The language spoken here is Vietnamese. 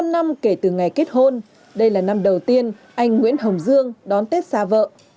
một mươi năm năm kể từ ngày kết hôn đây là năm đầu tiên anh nguyễn hồng dương đón tết xa vợ